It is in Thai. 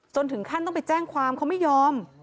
ถึงขั้นต้องไปแจ้งความเขาไม่ยอม